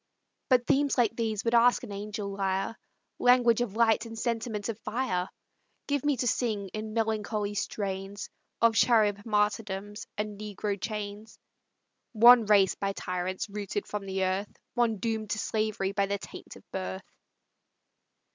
But themes like these would ask an angel lyre, Language of light and sentiment of fire; Give me to sing, in melancholy strains, Of Charib martyrdoms and Negro chains; One race by tyrants rooted from the earth, One doom'd to slavery by the taint of birth!